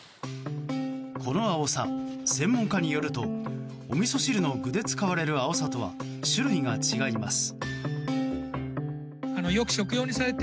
このアオサ、専門家によるとおみそ汁の具で使われるアオサとは種類が違います。